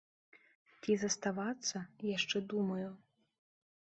Ці заставацца, яшчэ думаю.